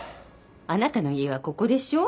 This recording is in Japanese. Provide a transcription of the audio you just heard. あなたの家はここでしょ。